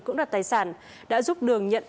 cưỡng đoạt tài sản đã giúp đường nhận